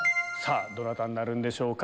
どなたになるんでしょうか？